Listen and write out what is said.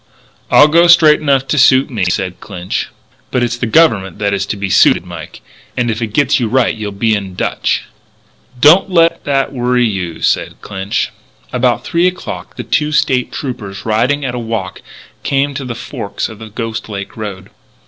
"I go straight enough to suit me," said Clinch. "But it's the Government that is to be suited, Mike. And if it gets you right you'll be in dutch." "Don't let that worry you," said Clinch. About three o'clock the two State Troopers, riding at a walk, came to the forks of the Ghost Lake road.